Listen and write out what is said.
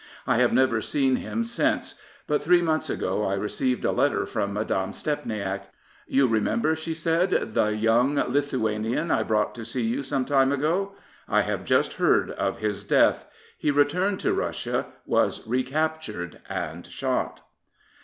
I have never seen him since; but three months ago I received a letter from Madame Stepniak. " You remember," she said, " the young Lithuanian I brought to see you some time ago. I have just heard of his death. He returned to Russia, was recaptured, and shot."